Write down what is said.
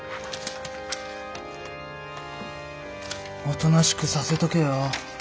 おとなしくさせとけよ？